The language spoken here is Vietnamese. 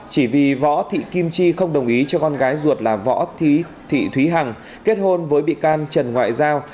chỉ vì võ thị kim chi không đồng ý cho con gái ruột là võ thị thúy hằng kết hôn với bị can trần ngoại giao